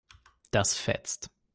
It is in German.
Das fetzt.